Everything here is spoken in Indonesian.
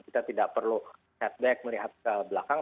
kita tidak perlu head back melihat ke belakang